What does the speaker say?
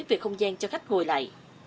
về không gian cho khách ngồi lại